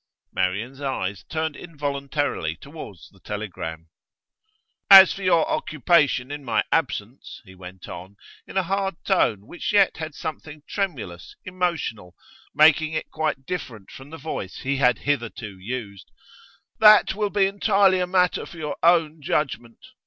Marian's eyes turned involuntarily towards the telegram. 'As for your occupation in my absence,' he went on, in a hard tone which yet had something tremulous, emotional, making it quite different from the voice he had hitherto used, 'that will be entirely a matter for your own judgment.